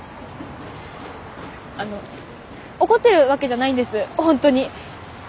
あの怒ってるわけじゃないんですホントに。